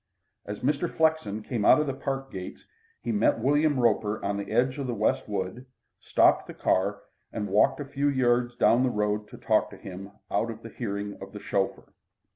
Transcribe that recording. As Mr. Flexen came out of the park gates he met William Roper on the edge of the West wood, stopped the car, and walked a few yards down the road to talk to him out of hearing of the chauffeur.